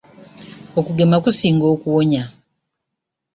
Okugema kusinga okuwonya.